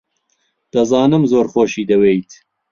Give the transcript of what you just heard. دەزانم زۆر خۆشی دەوێیت.